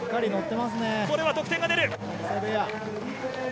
これは得点が出る。